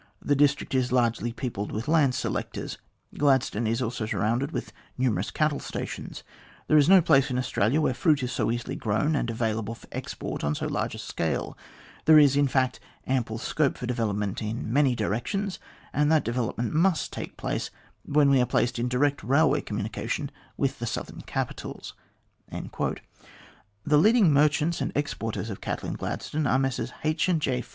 The district is largely peopled with land selectors ; Gladstone is also surrounded with numerous cattle stations ; there is no place in Australia where fruit is so easily grown and avail able for export on so large a scale ; there is, in fact, ample scope for development in many directions, and that develop ment must take place when we are placed in direct railway communication with the southern capitals." The leading merchants and exporters of cattle in Glad stone are the Messrs H. & J.